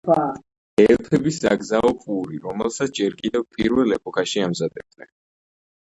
ელფების საგზაო პური, რომელსაც ჯერ კიდევ პირველ ეპოქაში ამზადებდნენ.